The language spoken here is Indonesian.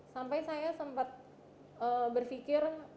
sampai saya sempat berfikir